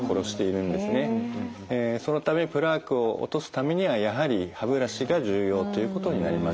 そのためプラークを落とすためにはやはり歯ブラシが重要ということになります。